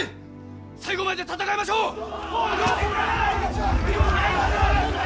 総裁最後まで戦いましょう！